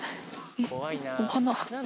お花。